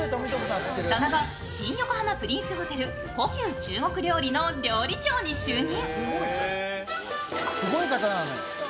その後、新横浜プリンスホテル胡弓中國料理の料理長に就任。